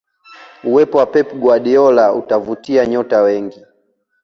uwepo wa pep guardiola utavutia nyota wengi